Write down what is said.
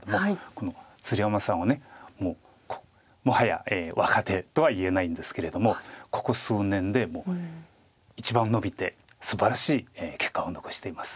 この鶴山さんはもうもはや若手とは言えないんですけれどもここ数年でもう一番伸びてすばらしい結果を残しています。